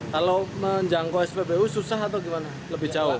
kalau menjangkau spbu susah atau gimana lebih jauh